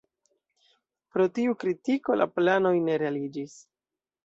Pro tiu kritiko la planoj ne realiĝis.